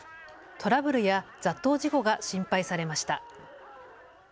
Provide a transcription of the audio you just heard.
トラブルや雑踏事故が心配されました。